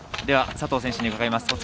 では、佐藤選手に伺います。